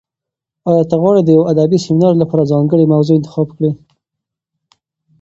ایا ته غواړې د یو ادبي سیمینار لپاره ځانګړې موضوع انتخاب کړې؟